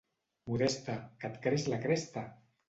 Modesta, que et creix la cresta!